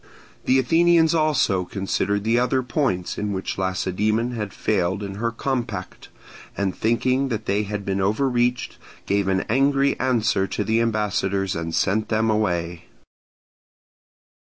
The Athenians also considered the other points in which Lacedaemon had failed in her compact, and thinking that they had been overreached, gave an angry answer to the ambassadors and sent them away.